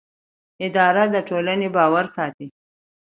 اداره د ټولنې باور ساتي.